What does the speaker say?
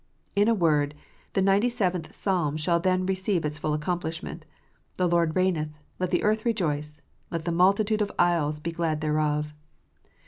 In a word, the ninety seventh Psalm shall then receive its full accomplishment : "The Lordreigneth : let the earth rejoice \ let the multitude of isles be glad thereof.